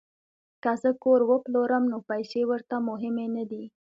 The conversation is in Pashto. که زه کور وپلورم نو پیسې ورته مهمې نه دي